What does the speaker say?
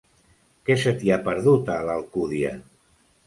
Què se t'hi ha perdut, a l'Alcúdia?